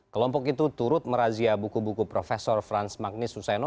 kelompok itu turut merazia buku buku prof frans magnis suseno